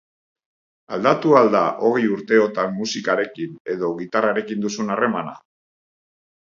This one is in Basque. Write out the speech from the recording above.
Aldatu al da hogei urteotan musikarekin edo gitarrarekin duzun harremana?